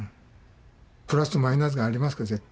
プラスとマイナスがありますから絶対。